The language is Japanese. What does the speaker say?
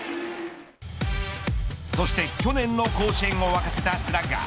そして去年の甲子園を沸かせたスラッガー